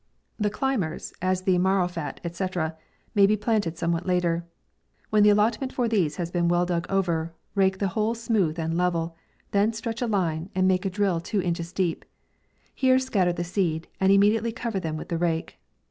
The climbers, as the Marrowfat, &c. may be planted somewhat later. When the al lotment for these has been well dug over, rake the whole smooth and level ; then stretch a line, and make a drill two inches deep 5 here scatter the seed, and immediate ly cover them with the rake.